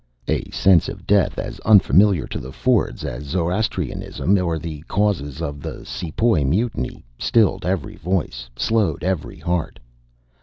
A sense of death, as unfamiliar to the Fords as Zoroastrianism or the causes of the Sepoy Mutiny, stilled every voice, slowed every heart.